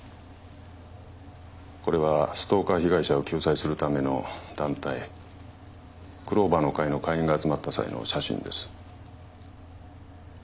これはストーカー被害者を救済するための団体クローバーの会の会員が集まった際の写真です